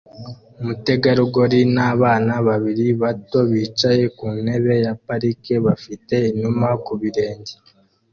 Umutegarugori nabana babiri bato bicaye ku ntebe ya parike bafite inuma ku birenge